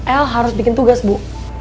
el harus bikin tugas bu